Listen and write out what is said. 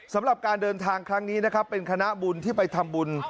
สำหรับการเดินทางครั้งนี้นะครับเป็นคณะบุญที่ไปทำบุญ